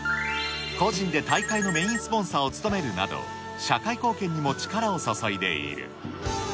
個人で大会のメインスポンサーを務めるなど、社会貢献にも力を注いでいる。